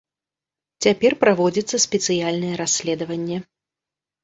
Цяпер праводзіцца спецыяльнае расследаванне.